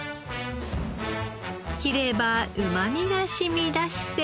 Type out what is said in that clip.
切ればうまみが染み出して。